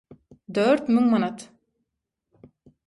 – Dört müň manat.